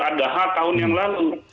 ada hal tahun yang lalu